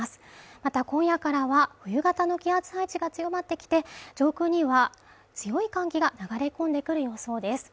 また今夜からは冬型の気圧配置が強まってきて上空には強い寒気が流れ込んでくる予想です